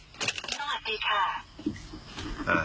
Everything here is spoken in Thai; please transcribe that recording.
สวัสดีค่ะ